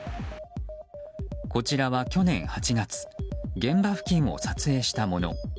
こちらは、去年８月現場付近を撮影したもの。